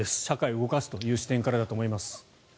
社会を動かすという視点からだと思います。